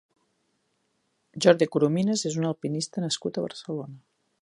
Jordi Corominas és un alpinista nascut a Barcelona.